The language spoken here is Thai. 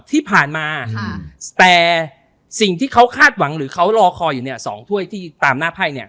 ที่ผ่านมาสแตรสิ่งที่เขาคาดหวังหรือเขารอคอยู่สองถ้วยที่ตามหน้า